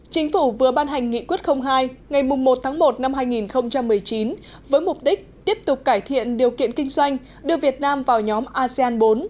chính phủ vừa ban hành nghị quyết hai ngày một tháng một năm hai nghìn một mươi chín với mục đích tiếp tục cải thiện điều kiện kinh doanh đưa việt nam vào nhóm asean bốn